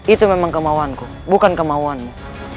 itu memang kemauanku bukan kemauanmu